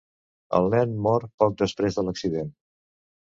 El nen mor poc després de l'accident.